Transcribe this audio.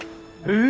え！